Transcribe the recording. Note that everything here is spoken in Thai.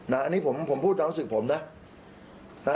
น่ะอันนี้ผมผมพูดเหมือนกับสื่อผมนะน่ะ